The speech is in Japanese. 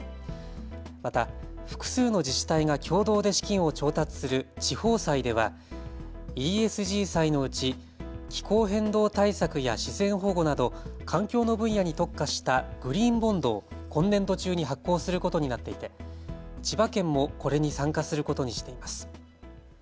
また複数の自治体が共同で資金を調達する地方債ではＥＳＧ債のうち気候変動対策や自然保護など環境の分野に特化したグリーンボンドを今年度中に発行することになっていて千葉県もこれに参加することにしています。